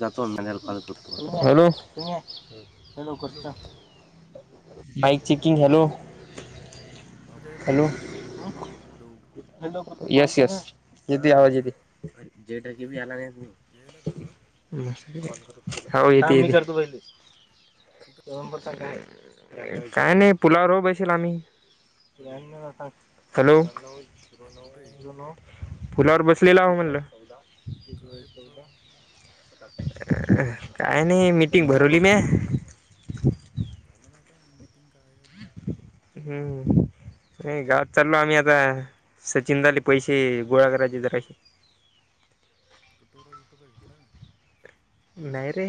जतो मॅग कॉत hello hello कर. Bike checking hello आवाज यायला का हॅलो. हॅलो येस यस यदी आवाज येत. जेटा क भ आला नाही. यायला का आवाज हि कुठे का? काय नाही पोलावर बैश आम् हॅलो हॅलो. अरे कुठे आहे न फुलावर बसलेला म्ह काय बोलावर. काय नाही मीटिंग भरवली मी झालं ना आता मीटिंग काय आहे ना. हम्म नाही गावात चाललो आम्ही आता सचिन झाले पैसे गोळा करायचे जराशी कटोरा विटोरा घेतलाय. नाहीयरे.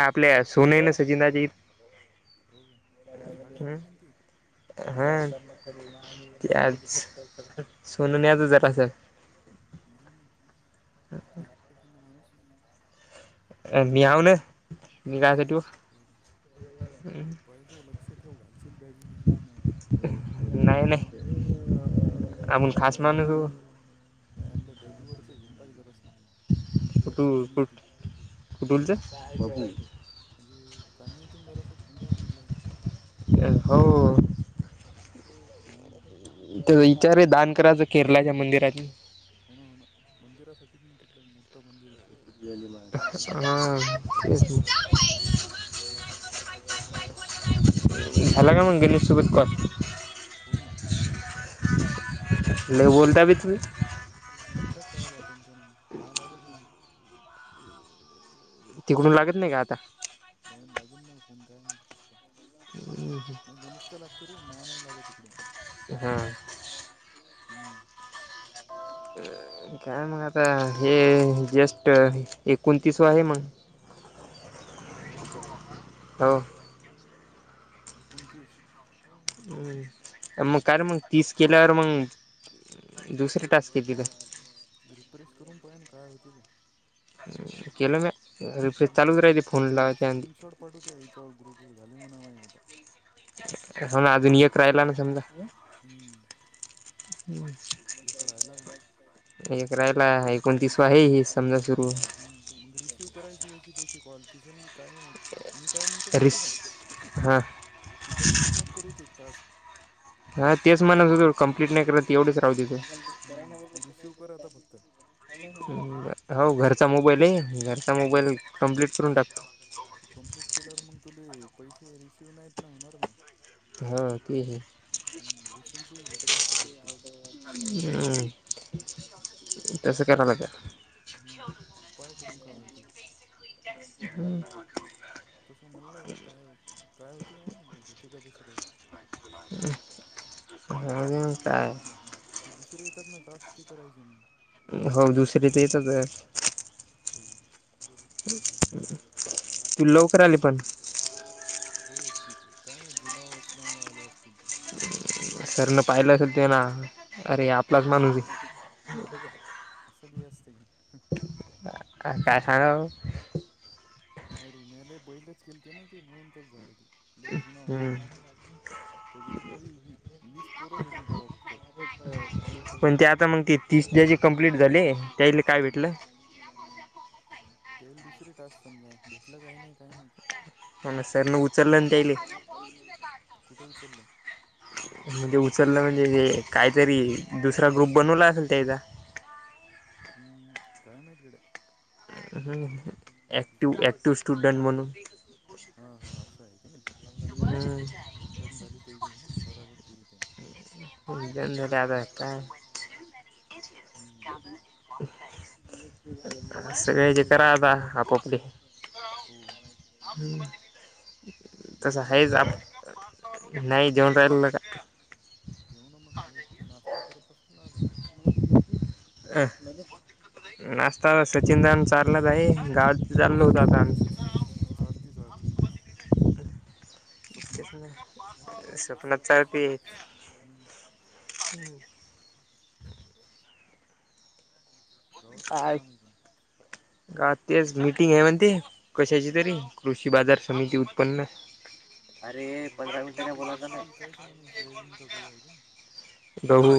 आपल्या सोने ना सचिंदाजी हो का हो झाडे हम्. म्हणे ते हा. हम्म त्याज सोन न्यायचं जरासं दे नं मंग टाकते का एखांदा माणूस अ म्याव नं मी काआच ठेवू. पाहिजे तो लक्ष ठेव घालशील बॅगीत बिगीत नाय तर नाय नाय. गेम आहे दोन आपल्या बॅगीवरच घुमतााात जरा अस. फट रट फटलते. म्हणजे कमी येथ ज घेऊन टाक म्हणलं हो हम्म. विचारे दान करायचं केरळच्या मंदिरात होणा हो ना मंदिरासाठीच म तिकडे मोठं मंदिर गेरलं. हा तेच ना झाला का मंग गिरीश सोबत कॉल हो ना. लय बोलता बी तुम्ही नेमकाच लावला होता त्यान माआ लागत नाही. तिकडून लागत नाय का आता नाय नं लागेन नाय फोन काय माहित कस काय हम् गणेश चा लागते रे माआ नाय लागत तिकडून हा. हम्म. काय मग आता हे जस्ट एकोणतीस वा आहे मंग हो काय. हो. एकोणतीस. हं मग काय र मंग तीस केल्यावर मंग दुसरे टास्क येतील का? रिप्रेश करून पहा ना काय होतय ते. केलं म्या. नाय ते स्क्री स्क्रीनशॉट पाठवं त्या याच्यावर ग्रुप वर झाले म्हणाव माझे आता. कसा ना अजून एक राहिला ना समजा हम्म हम् एक राहिला का? एक राहिला एकोणतीस वा आहे हे समजा सुरू हूं मंग रिसिव करायचे याचे त्याचे कॉल तिशन बी काय नाय होत. मी काय म्हणतो माहिती रिस का हा तू कम्प्लीट नको करू एक टास्क हा तेच म्हणत होतो कम्प्लीट नाय करत एवढच राहू देतो. हम्म तू रिसीव्ह कर आता फक् हं हो घरचा मोबाईल ये घरचा हां मोबाईल कम्प्लीट करून टाकतो. तू कंप्लीट केलावर मग तुले पैसे रिसीव्ह नाहीत ना होणार मंग हा ते बी हूं रिसीवचे भेटत असतात वाटते अम् तसं कराव लागलं. हम्म पाय करून काय होतय. हम् तसं मला नाय येत काय हो काय होती काय माहित होती का तसं काही हा ना काय ते दुसरे येतात ना टास्क ते करायचे मंग हो दुसरी ते येतच आहे. हम्म. तू लवकर आले पण. हो काय माहित जुना असल्यामुळे आले असतील ते. सरन पाहिलं असेल त्याला अरे आपलाच माणूस हाय. असं बी असत काय हम. आ काय सांगावं नाही रे म्या लय बैलच केलते ना ते म्हणून तस झालं ते लय जुना हम्म म्हणून त्या ग्रुपमध्ये वी वीस पोरच होते तवा फक्त पण ते आता मंग ते तीस ज्याचे कंप्लीट झाले त्यायले काय भेटलं. तेल दुसरी टास्क समजा भेटलं काय नाही काय माहित हा म सर न उचलंल नं त्यायले [unintelligible] कुठ उचललय? म्हणजे उचललं म्हणजे काहीतरी दुसरा ग्रुप बनवला असेल त्याजा. हम्म, काय माहित गड्या. हम, ऍक्टिव दुसरा ग्रुप ऍक्टिव्ह स्टुडन्ट म्हणून. हा हा असं आहे कनाय, डन झाली ते जी आहे की नाही बराबर केली त्याने. [unintelligible] हम्म. सगळे जे करा आता आपापली. हो हम, तसं जेवला का ह्याच आप नाही जेवून राहिलो लेका. जेव ना मग नाही ती नाश्ता करत असेल ना आता. अंह. नाशता सचिन दाने चारला आहे गावात चाललो होतो आता आम्ही. चारती चारती, स्वप्नात. स्वप्नात चारती. हम्म गावात काय काम आहे पण. का तेच मिटिंग आहे म्हणते. कशाची तरी कृषी बाजार समिती उत्पन्न. अरे हो का पंधरा हो मिनिटांने ते बोलायचा ना काहीतरी विकायच म्हणे सोयाबीन का गहू आहे का? गहू.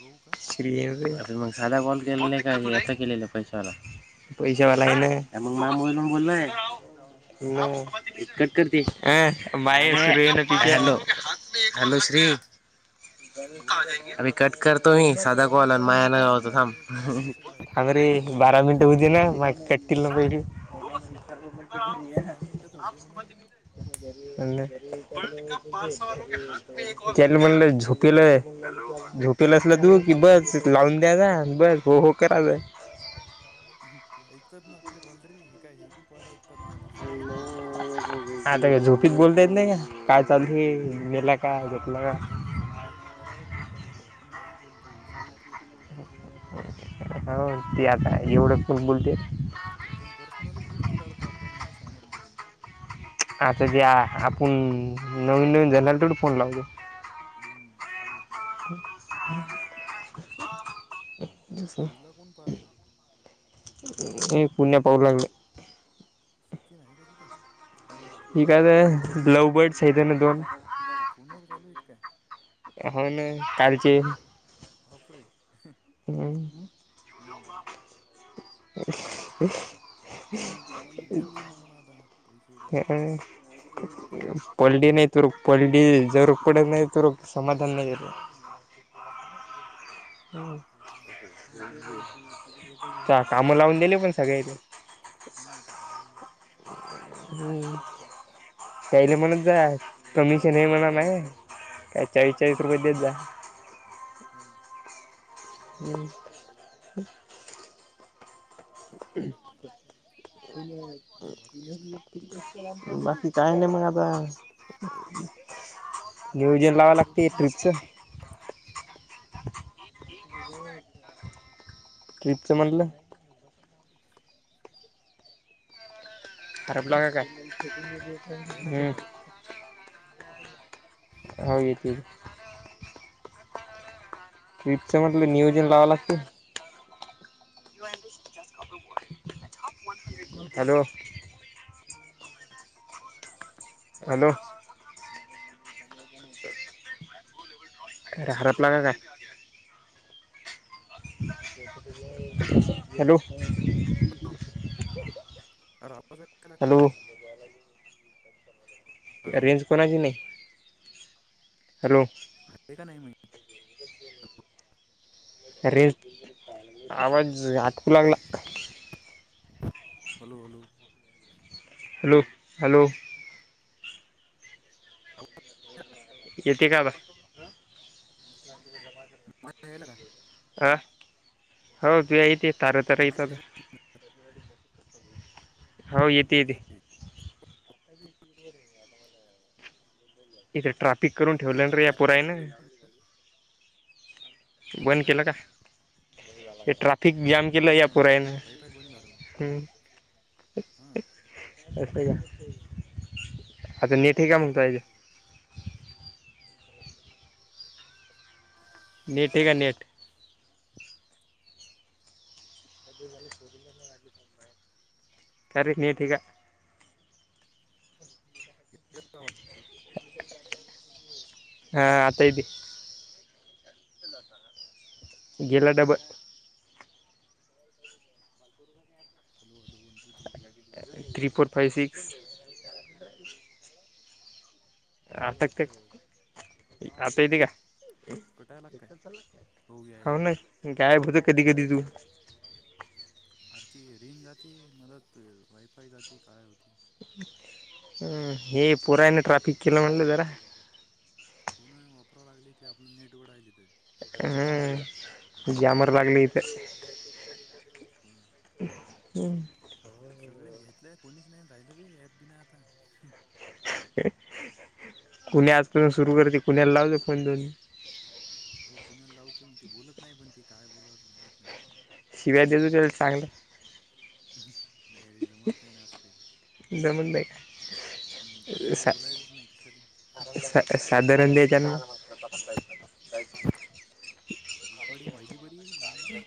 गहू का? [unintelligible] अरे मग साधा कॉल केलेला [unintelligible] पैशाला. पैसा वला आहे ना [unintelligible] कट हॅलो करती [unintelligible] हॅलो हॅलो श्री. बोला सर अभ कट करतो मी सादा बोल आणि माया नाव च नाही थांब रे जरासं करा हंगरी. बारा मनिट हु दिल मा काटील ना पाहिजे. सहा मिनिटं तर होऊ दे म्हणा [unintelligible] हॅलो त्याला म्हणलं झोपिलय झोपलयस न हा तू. की बस लावून [unintelligible] हु हु करायचं. ते ऐकतात ना आपले कॉल रे हे काय हे बी कॉल ऐकतात ना आता सगळेच कॉल ऐकतात. आता काय झोपीत बोलता येत नाही का काय चाल गेला का हो घेतलं का? नाही तसं बोलायचं बराबर बोल लागते आपण काही बोलतो विषय काढतो. कुठला काही हाव ते आता इवढ फुट बोलते. आपण पर्सनलच गोष्टी काढतो आपल्याला नाही सांगितलं ते. आता जे आपण नवीन नवीन जनाला तेवढं फोन लावतो. हम्म, हो. ह किरीला कोण पाहालं हे पुण्या पाहू लागले. सचिन आहे का तिथं. ह कायच ल् लव बर्डस ना दोन फोनवर चालू आहे काय हो ना कालच बाप बापरे! हम्म. [inaudible] [unintelligible] समोसा चार म्हणा आता पैसे येतात पडली हम्म जर [unintelligible] नाही तर. समाधान नाही घेऊन जा हे त्याला मोबाईल. हो घेऊन जाय [unintelligible] काम लावून दिले पण सगळे ते. हो नाता काय कर लागती त्याहिले म्हणत जा कमीिशन नाही म्हणा नाही काय चाळीस चाळीस हम्म रुपये हम्म. देत जा हो ह क वि जीेत आणि बाकी काही मग आता घेवजेन लाव लागते ट्र्रीपचं हो एक ट्रिपचं म्हटलं हॅलो खारपलाग का यायला का आवाज होेत रिपच म्हटलं नियोजन लावां लागतील हॅलो हॅलो ह हारात लागा काय हॅलो अमदारीला का हॅलो हॅलो रेंज कोणाची नाही हॅलो हे का नाही माहि रेस् आवाज आटकू लागला हॅलो हॅलो हॅलो हॅलो ह येते का हेल का अह हो त यती तारतार यत माझ्या यायला का? हो येते येते ते इथं ट्राफिक करून ठेवले रे या वायफाय पुरायने बंद केलं काय बंद म्हणला के का ट्रफिक जम केलं या पुरेने धर हा का आता नीटठी का म्हगतो आहेज नेट आहे का नेट ो काररी नाही ठिक [unintelligible] हां आता येतील. गेला डब hello one two three four. Three four five six यायला आताक् त वाटते आवाज आता येती का? कटायला काय हो ना गायब होत कधी कधी तू. अर ती रिंग जाते मदत वायफाय जाते काय होती हम् हे पुराने ट्राफिक केलं म्हटलं जरा फोन वापराला लागली त आपलं नेट वडा आहिली तर ह गॅमर हम्म, लागलीथ हो ना. सगळेच घेतल्या कोणीच नाही राहिलं बी हेॲप बी नाही आता कुणी आजपासून सुरू करते कुण्याला लावते फोन दोन हो कुणाला लावतो मी ते बोलत नाही पण ते काय बोलावं समजत नाही. शिव्या देतो त्या चांगलं. नाही रे जमत नाही ना अस काही. जमत नाही हम् असं काही सा बोलायचंच नाही कशाले. सा साधारण द्यायच्या ना. [unintelligible] रेकॉर्डिंग अहिलीपरी ज्ञानेश.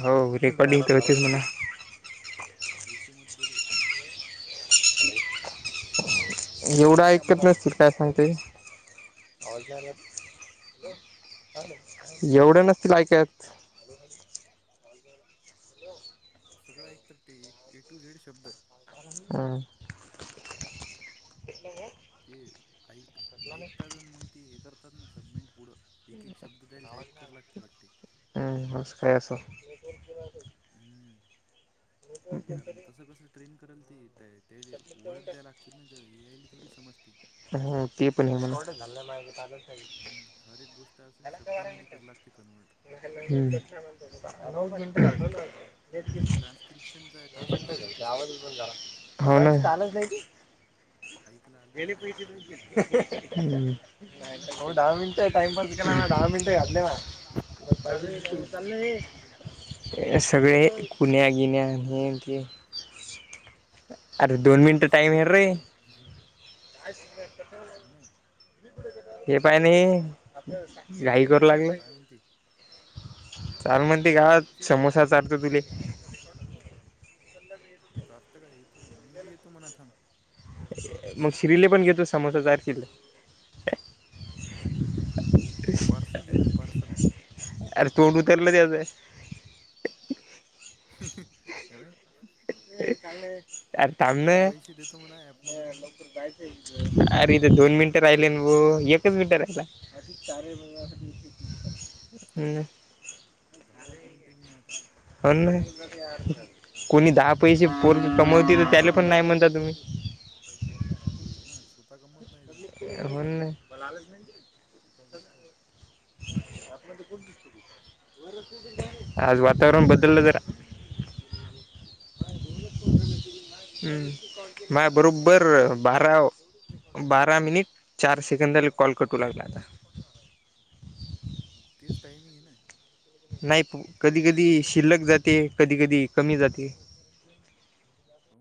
हो रेकॉर्डिंग तर होतेच म्हणा. ऐस मत बोलू. एवढं ऐकत नसतील काय सांगते. हम्म? एवढ नसतील ऐकत. सगळ ऐकतात तेे ए टू झेड शब्द. हम् ब ते आईक ऐकतात आणि मग ती हे करतात ना सबमिट पुढं एक एक शब्द द्यायला टाईप करा लागते वाटते हम्म अस काही असलं हम्म ते कारण तसं कस ट्रेन कराल ते ते ते वर्ड द्या लागतील ना ते ए आय ला थोडी समजते. हम्म ते पण आहे. [unintelligible] नंवण हम्म हर एक गोष्ट असं शब्दामध्ये करावं लागते कन्वर्ट हम्म ते ट्रान्सक्रिप्शनचा टास्क कसा आहे तसं झाला हो ना चालच नाही. ऐकला आलं त. म दहा मिनट टाइमप केला दहा मि ते आपलेवा. सुने आहे वाटते तिथं सगळे कुण्या गिण्या्या हे ते अरे दोन मिनटं टाइम आहे रे. ह ह हे पा नाही घाई करू लागलं काय म्हणते चाल म्हण कोण ते गावात सम चारत तुले चारत काय येतो मी बी येतो मणा थांब. मग शिरीले पण घेतो समुद्र जायचे ते. पार्सल घेऊन पार्सल. अर तोडूतरला ते अं अरे हे काण ां म्हना पैसे देतो म्हणा ऍपमधून. अरेथ दोन मिनिटं राहिले ना भा एकच मिनिट राहिला चार बंग ह् झाला एक मिनट बी नाही आता ह नाही कोणी दहा पैसे लयच पर गडबड करतात कमवते ले तर त्याला पण नाही म्हणता तुम्ही हो ना स्वतः गमत नाही ते हो ना स्वतः बसतात आप त कोणती ब आज वातावरण बदल हॅलो जरा. हॅलो हो का हम् माय बरोबबर बारा बारा मिनिट चार सेकंद झा कॉल कटू लागला. तेच टाइमिंग आहे ना नाही त्या कधी दिवशी कधी वाणी नाही शिल्लक चालायला जाते कधी कधी कमी जाते हो